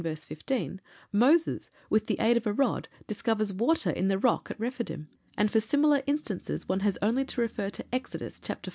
verse 15, Moses with the aid of a rod discovers water in the rock at Rephidim, and for similar instances one has only to refer to Exodus, chapter xiv.